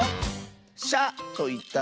「しゃ」といったら？